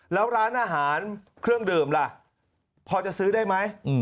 แล้วร้านอาหารเครื่องดื่มล่ะพอจะซื้อได้ไหม